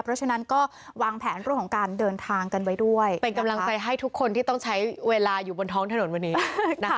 เพราะฉะนั้นก็วางแผนเรื่องของการเดินทางกันไว้ด้วยเป็นกำลังใจให้ทุกคนที่ต้องใช้เวลาอยู่บนท้องถนนวันนี้นะคะ